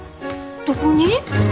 どこに？